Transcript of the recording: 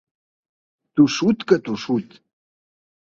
Tossut que tossut.